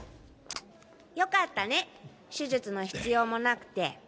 良かったね手術の必要もなくて。